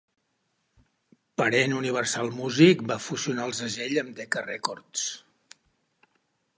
Parent Universal Music va fusionar el segell amb Decca Records.